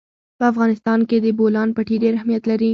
په افغانستان کې د بولان پټي ډېر اهمیت لري.